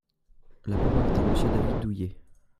La parole est à Monsieur David Douillet.